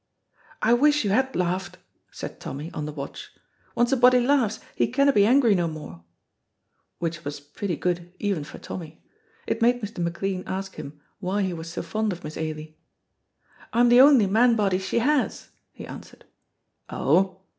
"I wish you had laughed," said Tommy, on the watch; "once a body laughs he canna be angry no more," which was pretty good even for Tommy. It made Mr. McLean ask him why he was so fond of Miss Ailie. "I'm the only man body she has," he answered. "Oh?